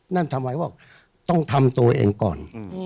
นั่นทำอะไรว่าต้องทำตัวเองก่อน